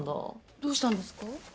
どうしたんですか？